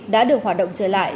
đã được hoạt động trở lại